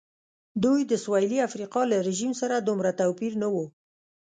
دوی د سوېلي افریقا له رژیم سره دومره توپیر نه و.